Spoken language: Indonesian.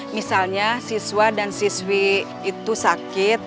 misalnya siswa dan siswi itu sakit